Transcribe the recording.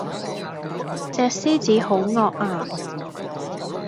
隻獅子好惡呀